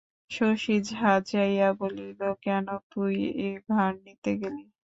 শশী ঝাঁঝিয়া বলিল, কেন তুই এ ভার নিতে গেলি?